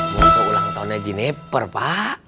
mau ke ulang tahunnya jeneper pak